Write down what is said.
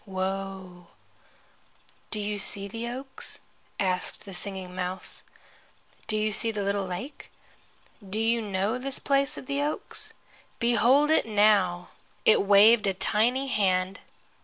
Woe.' "Do you see the oaks?" asked the Singing Mouse. "Do you see the little lake? Do you know this place of the oaks? Behold it now!" It waved a tiny hand.